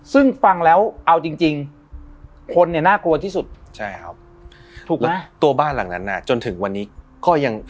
ซึ่งฟังแล้วเอาจริงคนเนี่ยน่ากลัวที่สุดใช่ครับถูกไหมตัวบ้านหลังนั้นน่ะจนถึงวันนี้ก็ยัง